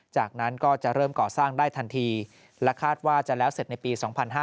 จากนั้นก็จะเริ่มก่อสร้างได้ทันทีและคาดว่าจะแล้วเสร็จในปี๒๕๕๙